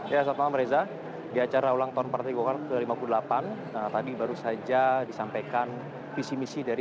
ya selamat malam reza di acara ulang tahun partai golkar ke lima puluh delapan tadi baru saja disampaikan visi misi dari